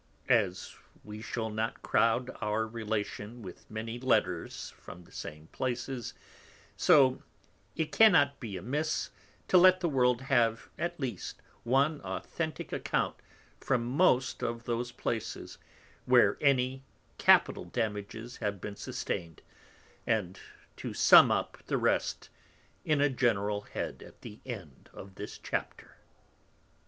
_ _As we shall not crow'd our Relation with many Letters from the same places, so it cannot be amiss to let the World have, at least, one Authentick Account from most of those Places where any Capital Damages have been sustain'd and to summ up the rest in a general Head at the end of this Chapter.